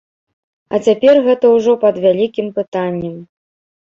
А цяпер гэта ўжо пад вялікім пытаннем.